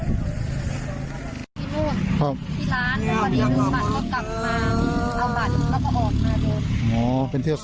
ที่นู่นที่ร้านพอเดี๋ยวลูกมันก็กลับมาเอาหมัดแล้วก็ออกมาเลย